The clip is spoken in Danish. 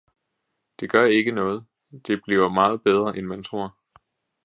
Det gør ikke noget, det bliver meget bedre, end man tror!